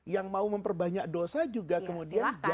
yang mau memperbanyak dosa juga kemudian jalannya ada